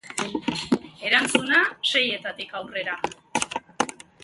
Erantzuna, seietatik aurrera.